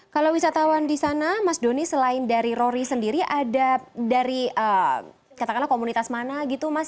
kalau wisatawan di sana mas doni selain dari rory sendiri ada dari katakanlah komunitas mana gitu mas